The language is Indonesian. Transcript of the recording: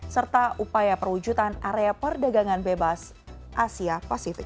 serta upaya perwujudan area perdagangan bebas asia pasifik